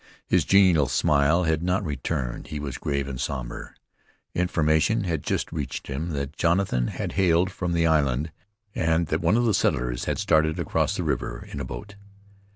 His genial smile had not returned; he was grave and somber. Information had just reached him that Jonathan had hailed from the island, and that one of the settlers had started across the river in a boat.